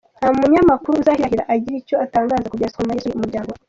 Nta munyamakuru uzahirahira agira icyo atangaza ku bya Stromae yasuye umuryango we.